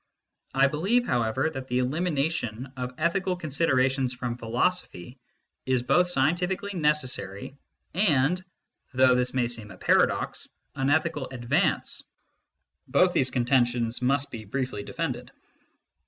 I believe, however, that the elimination of ethical con siderations from philosophy is both scientifically necessary and though this may seem a paradox an ethical advance. Both these contentions must be briefly defended.